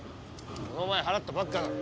この前払ったばっかだろ。